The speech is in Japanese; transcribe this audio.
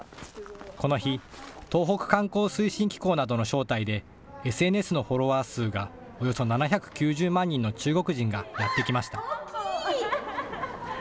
この日、東北観光推進機構などの招待でＳＮＳのフォロアー数がおよそ７９０万人の中国人がやって来ました。